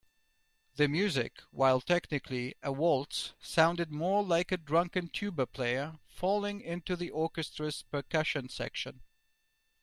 The music, while technically a waltz, sounded more like a drunken tuba player falling into the orchestra's percussion section.